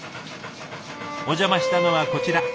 お邪魔したのはこちら。